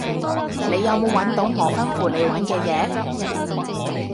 你有冇搵到我吩咐你搵嘅嘢？